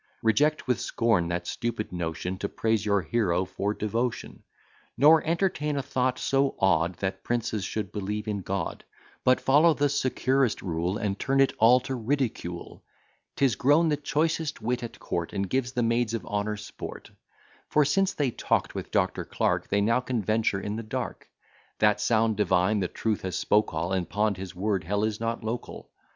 Reject with scorn that stupid notion, To praise your hero for devotion; Nor entertain a thought so odd, That princes should believe in God; But follow the securest rule, And turn it all to ridicule: 'Tis grown the choicest wit at court, And gives the maids of honour sport; For, since they talk'd with Dr. Clarke, They now can venture in the dark: That sound divine the truth has spoke all, And pawn'd his word, Hell is not local.